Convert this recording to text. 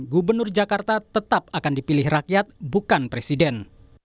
gubernur jakarta tetap akan dipilih rakyat bukan presiden